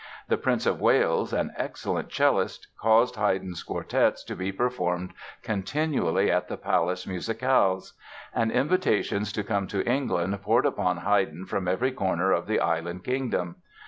The Prince of Wales, an excellent cellist, caused Haydn's quartets to be performed continually at the palace musicales. And invitations to come to England poured upon Haydn from every corner of the Island Kingdom.